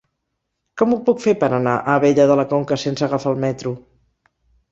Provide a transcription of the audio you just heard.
Com ho puc fer per anar a Abella de la Conca sense agafar el metro?